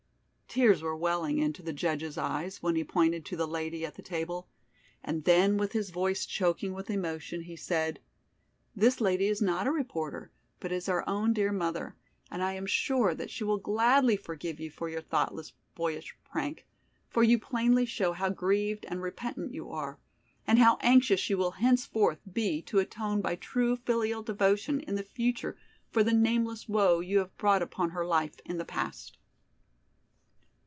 Tears were welling into the judge's eyes when he pointed to the lady at the table, and then with his voice choking with emotion he said: "This lady is not a reporter, but is our own dear mother, and I am sure that she will gladly forgive you for your thoughtless boyish prank, for you plainly show how grieved and repentant you are, and how anxious you will henceforth be to atone by true filial devotion in the future for the nameless woe you have brought upon her life in the past."